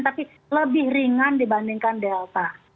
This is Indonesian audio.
tapi lebih ringan dibandingkan delta